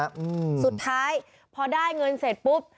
อืมสุดท้ายพอได้เงินเสร็จปุ๊บ